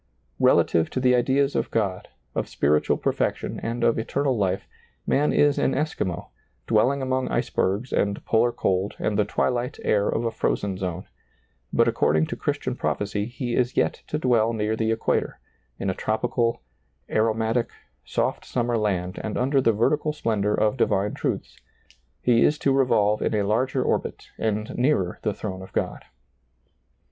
Relative to the ideas of God, of spiritual perfec tion and of eternal life, man is an Eskimo, dwelling among icd>ergs and polar cold and the twilight air of a frozen zone ; but according to Christian prophecy he is yet to dwell near the equator, in a tropical, aromatic, soft summer land and under the vertical splendor of divine truths ; be is to revolve in a lai^er orbit and nearer the throne of Ciod.